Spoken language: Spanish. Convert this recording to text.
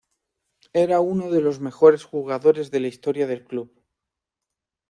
Era uno de los mejores jugadores de la historia del club.